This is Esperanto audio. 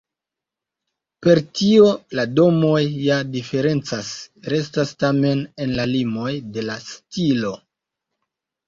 Per tio la domoj ja diferencas, restas tamen en la limoj de la stilo.